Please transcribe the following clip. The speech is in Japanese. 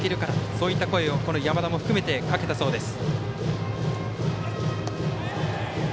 そういった声を山田も含めてかけたそうです。